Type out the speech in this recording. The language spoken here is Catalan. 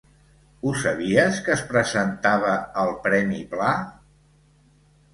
Ho sabies, que es presentava al premi Pla?